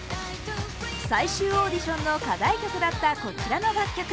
最終オーディションの課題曲だったこちらの楽曲。